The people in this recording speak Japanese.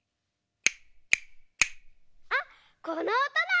あっこのおとだ！